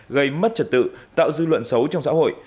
gây mất trật tự tạo dư luận xấu trong xã hội